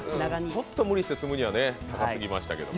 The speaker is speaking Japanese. ちょっと無理して住むには高すぎましたけど。